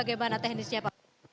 bagaimana teknisnya pak